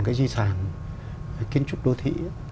cái di sản kiến trúc đô thị